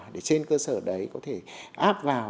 để trên cơ sở đấy có thể áp vào